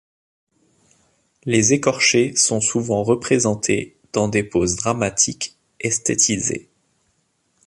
Les écorchés sont souvent représentés dans des poses dramatiques, esthétisées.